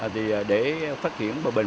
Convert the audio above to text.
thì để phát hiện bộ bệnh